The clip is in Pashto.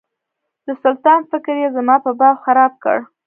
د سلطان فکر یې زما په باب خراب کړ.